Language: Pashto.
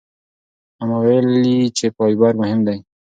اما ویلي چې فایبر مهم دی.